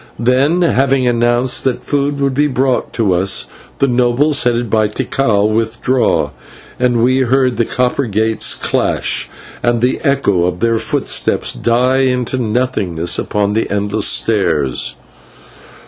Then, having announced that food would be brought to us, the nobles, headed by Tikal, withdrew, and we heard the copper gates clash and the echo of their footsteps into nothingness upon the endless stairs.